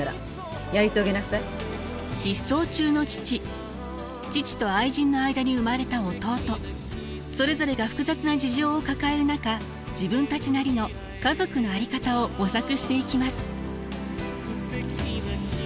失踪中の父父と愛人の間に生まれた弟それぞれが複雑な事情を抱える中自分たちなりの家族の在り方を模索していきます。